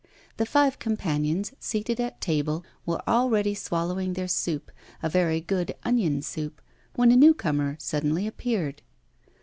The five companions, seated at table, were already swallowing their soup, a very good onion soup, when a new comer suddenly appeared.